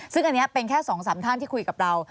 ซึ่งอันนี้เป็นแค่๒๓ท่านที่คุยกับเรา